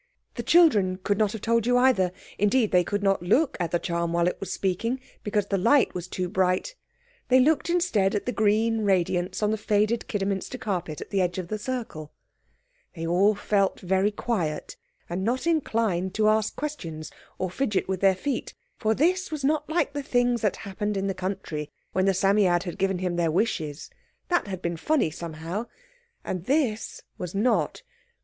The children could not have told you either. Indeed, they could not look at the charm while it was speaking, because the light was too bright. They looked instead at the green radiance on the faded Kidderminster carpet at the edge of the circle. They all felt very quiet, and not inclined to ask questions or fidget with their feet. For this was not like the things that had happened in the country when the Psammead had given them their wishes. That had been funny somehow, and this was not.